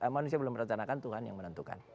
manusia belum merencanakan tuhan yang menentukan